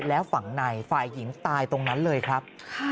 แล้วฝั่งในฝ่ายหญิงตายตรงนั้นเลยครับ